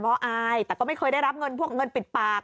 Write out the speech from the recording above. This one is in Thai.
เพราะอายแต่ก็ไม่เคยได้รับเงินพวกเงินปิดปาก